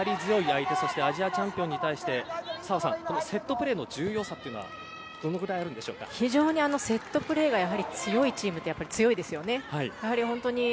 相手アジアチャンピオンに対して澤さん、セットプレーの重要さはセットプレーが強いチームって強いですよね。